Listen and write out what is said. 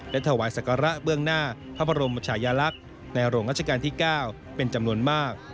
และถวายศักระเบื้องหน้าพระบรมชายลักษณ์ในหลวงราชการที่๙เป็นจำนวนมาก